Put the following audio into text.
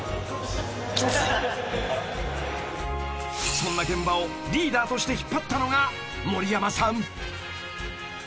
［そんな現場をリーダーとして引っ張ったのが森山さん］